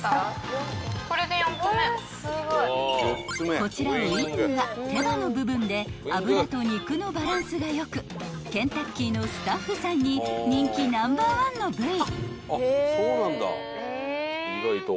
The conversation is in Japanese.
［こちらウイングは手羽の部分で脂と肉のバランスが良くケンタッキーのスタッフさんに人気ナンバー１の部位］